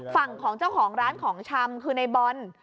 ฝั่งของเจ้าของร้านของชำคือในบอล